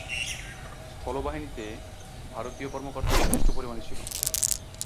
স্থলবাহিনীতে ভারতীয় কর্মকর্তা যথেষ্ট পরিমাণে ছিলো।